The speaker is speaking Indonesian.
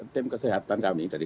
tim kesehatan kami dari